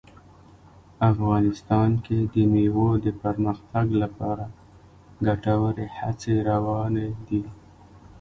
افغانستان کې د مېوو د پرمختګ لپاره ګټورې هڅې روانې دي.